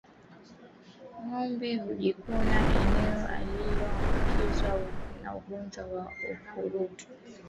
Ngombe hujikuna eneo lililoambukizwa na ugonjwa wa ukurutu